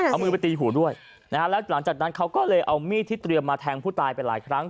เอามือไปตีหูด้วยนะฮะแล้วหลังจากนั้นเขาก็เลยเอามีดที่เตรียมมาแทงผู้ตายไปหลายครั้ง